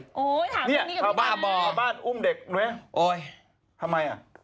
ถามทีนี้กับหนูบ้างน่ะนะอ่ะโอ๊ยทำไมอ่ะ